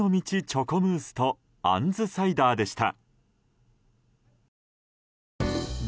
チョコムースとあんずサイダーでした。